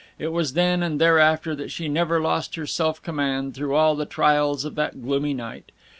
It was then and thereafter that she never lost her self command, through all the trials of that gloomy night.